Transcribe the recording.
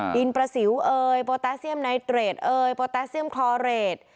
ดินประสิวโปรแทสเซียมไนเดรดโปรแทสเซียมคลอเรด